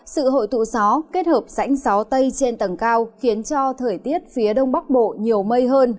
sự hội tụ gió kết hợp rãnh gió tây trên tầng cao khiến cho thời tiết phía đông bắc bộ nhiều mây hơn